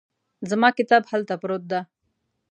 زما کتاب هلته پروت ده